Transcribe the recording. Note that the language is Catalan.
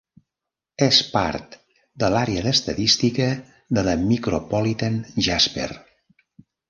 És part de l'àrea d'Estadística de la Micropolitan Jasper.